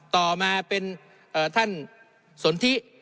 ต่อมาเป็นท่านสนทิ